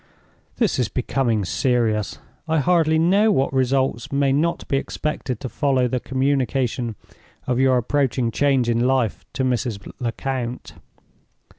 This is becoming serious. I hardly know what results may not be expected to follow the communication of your approaching change in life to Mrs. Lecount.